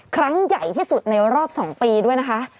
ครั้งใหญ่ที่สุดในรอบ๒ปีด้วยนะคะ